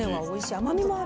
甘みもある。